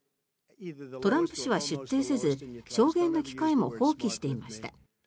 トランプ氏は出廷せず証言の機会も放棄していました。